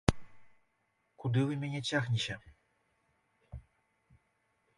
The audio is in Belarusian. Куды вы мяне цягнеце?